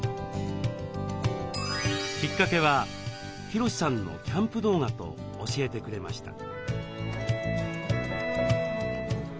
きっかけはヒロシさんのキャンプ動画と教えてくれました。